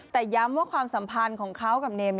แต่ย้ำว่าความสัมพันธ์ของเขากับเนม